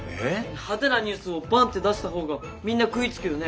派手なニュースをバンッて出した方がみんな食いつくよね？